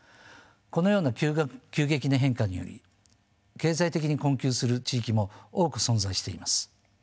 このような急激な変化により経済的に困窮する地域も多く存在しています。